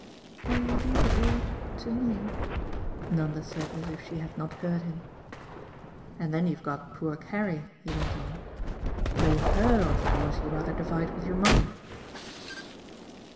"Will you leave it all to ME?" Nanda said as if she had not heard him. "And then you've got poor Carrie," he went on, "though HER of course you rather divide with your mother."